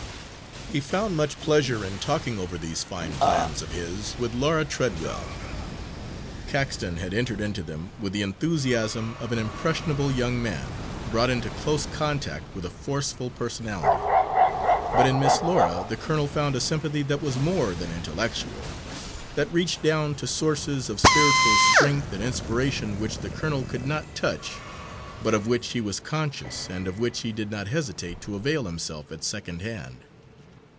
He found much pleasure in talking over these fine plans of his with Laura Treadwell. Caxton had entered into them with the enthusiasm of an impressionable young man, brought into close contact with a forceful personality. But in Miss Laura the colonel found a sympathy that was more than intellectual that reached down to sources of spiritual strength and inspiration which the colonel could not touch but of which he was conscious and of which he did not hesitate to avail himself at second hand.